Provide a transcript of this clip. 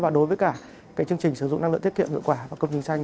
và đối với cả chương trình sử dụng năng lượng tiết kiệm hiệu quả và công trình xanh